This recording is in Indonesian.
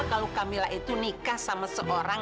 kalau camilla itu nikah sama seorang